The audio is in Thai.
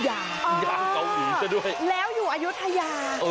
ยางเกาหลีซะด้วยแล้วอยู่อายุทยา